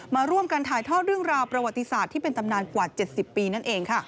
มาร่วมกันถ่ายทอดเรื่องราวประวัติศาสตร์ที่เป็นตำนานกว่า๗๐ปีนั่นเองค่ะ